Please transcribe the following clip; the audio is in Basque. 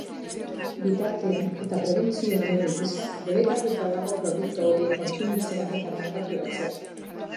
Bitartean, eta prebentzio-neurri gisa, debekatuta dago produktu horiek kontsumitzea eta merkaturatzea.